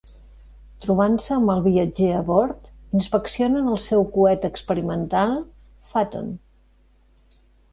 Trobant-se amb el viatger a bord, inspeccionen el seu coet experimental "Phaeton".